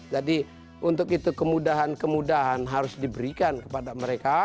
jadi untuk itu kemudahan kemudahan harus diberikan kepada mereka ya